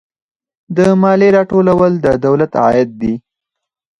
د مالیې راټولول د دولت عاید دی